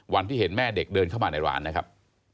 วันที่เห็นแม่เด็กเดินเข้ามาในร้านนะครับ